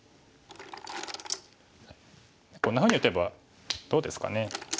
こんなふうに打てばどうですかね。